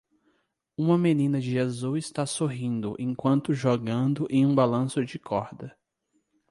Uma menina de azul está sorrindo enquanto jogando em um balanço de corda.